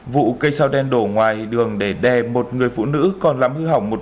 vụ cây sao đen đổ ngoài đường để đè một người phụ nữ còn lắm hơn